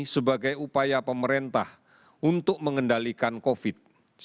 sebagai upaya pemerintah untuk mengendalikan covid sembilan belas